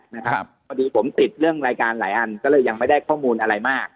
พอดีผมติดเรื่องรายการหลายอันก็เลยยังไม่ได้ข้อมูลอะไรมาก